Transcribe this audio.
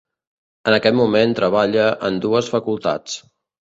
En aquest moment treballa en dues facultats.